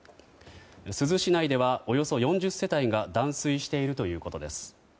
珠洲市内では、およそ４０世帯が断水しているということです。